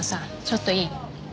ちょっといい？